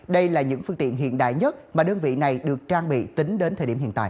đây là những phương tiện hiện đại nhất mà đơn vị này được trang bị tính đến thời điểm hiện tại